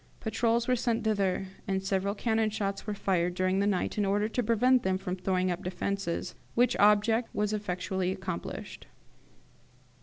Patrols were sent thither, and several cannon shots were fired during the night, in order to prevent them from throwing up defences, which object was effectually accomplished.